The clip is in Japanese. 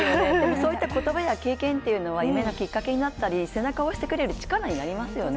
そういった言葉や経験というのは夢のきっかけになったり背中を押してくれる力になりますよね。